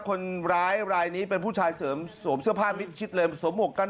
คนร้ายรายนี้เป็นผู้ชายเสริมสวมเสื้อผ้ามิดชิดเลยสวมหวกกัน